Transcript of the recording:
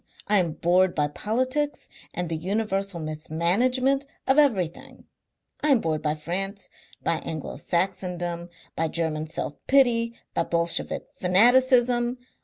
I am bored by politics and the universal mismanagement of everything. I am bored by France, by Anglo Saxondom, by German self pity, by Bolshevik fanaticism.